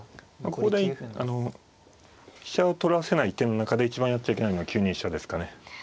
ここで飛車を取らせない手の中で一番やっちゃいけないのは９二飛車ですかね。